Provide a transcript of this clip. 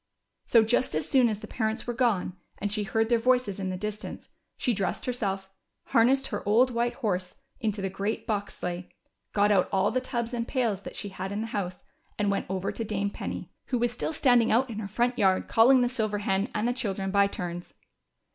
So just as soon as the parents were gone and she heard their voices in the distance, she dressed herself, harnessed her old white horse into the great box sleigh, got out all the tubs and pails that she had in the house and went over to Dame Penny, who was still THE SILVER HEN. 273 standing out in her front yard calling the silver hen and the children by turns.